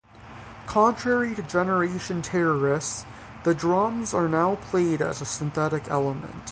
Contrary to Generation Terrorists the drums are now played as a synthetic element.